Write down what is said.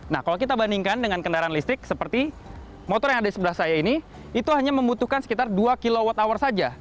nah kalau kita bandingkan dengan kendaraan listrik seperti motor yang ada di sebelah saya ini itu hanya membutuhkan sekitar dua kwh saja